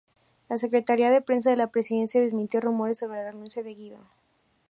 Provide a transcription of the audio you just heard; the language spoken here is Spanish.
La Secretaría de Prensa de la Presidencia desmintió rumores sobre la renuncia de Guido.